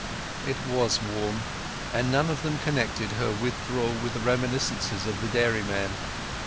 It was warm, and none of them connected her withdrawal with the reminiscences of the dairyman.